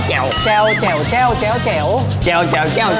แก๋วแก๋วแก๋วแก๋วแก๋ว